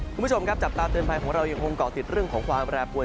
คุณผู้ชมครับจับตาเตือนภัยของเรายังคงเกาะติดเรื่องของความแปรปวน